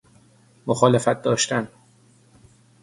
مخالفت داشتن